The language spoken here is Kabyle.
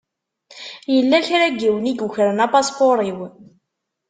Yella kra n yiwen i yukren apaspuṛ-iw.